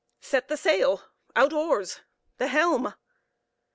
Set the sail; out oars; the helm!"